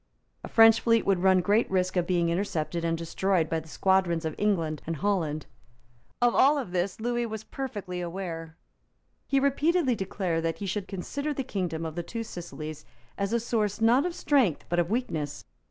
A French fleet would run great risk of being intercepted and destroyed by the squadrons of England and Holland. Of all this Lewis was perfectly aware. He repeatedly declared that he should consider the kingdom of the Two Sicilies as a source, not of strength, but of weakness.